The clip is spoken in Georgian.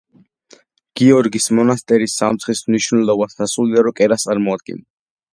გიორგის მონასტერი სამცხის მნიშვნელოვან სასულიერო კერას წარმოადგენდა.